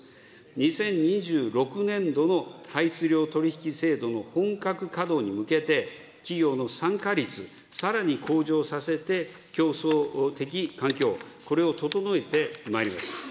２０２６年度の排出量取り引き制度の本格稼働に向けて、企業の参加率、さらに向上させて競争的環境、これを整えてまいります。